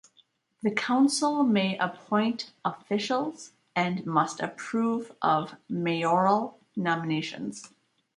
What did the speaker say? The council may appoint officials and must approve of mayoral nominations.